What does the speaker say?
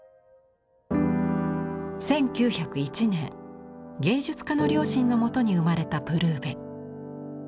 １９０１年芸術家の両親のもとに生まれたプルーヴェ。